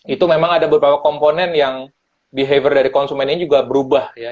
itu memang ada beberapa komponen yang behavior dari konsumen ini juga berubah ya